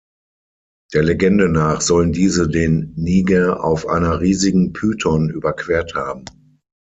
Der Legende nach sollen diese den Niger auf einer riesigen Python überquert haben.